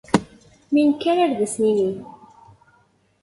Mi nekker ard as-nini.